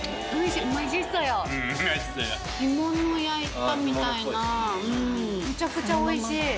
干物焼いたみたいなめちゃくちゃおいしい。